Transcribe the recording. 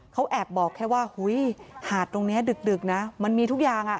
เขาแอบบอกแค่ว่าหาดตรงนี้ดึกนะมันมีทุกอย่าง